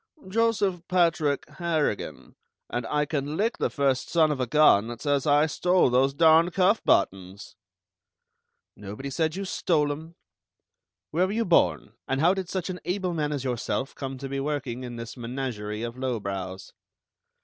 "Joseph Patrick Harrigan, and I can lick the first son of a gun that says I stole those darned cuff buttons!" "Nobody said you stole 'em. Where were you born, and how did such an able man as yourself come to be working in this menagerie of lowbrows?"